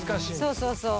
そうそうそう。